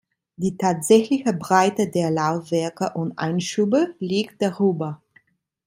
Die tatsächliche Breite der Laufwerke und Einschübe liegt darüber.